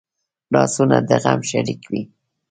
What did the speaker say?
لاسونه د غم شریک وي